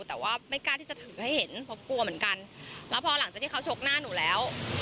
แต่ว่าไม่กล้าที่จะถือให้เห็นเพราะกลัวเหมือนกันแล้วพอหลังจากที่เขาชกหน้าหนูแล้ว